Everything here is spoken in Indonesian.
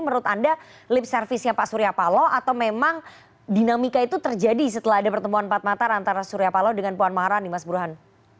menurut anda lip service nya pak surya paloh atau memang dinamika itu terjadi setelah ada pertemuan empat mata antara surya paloh dengan puan maharani mas burhan